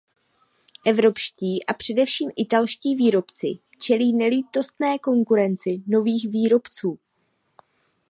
Evropští a především italští výrobci čelí nelítostné konkurenci nových výrobců.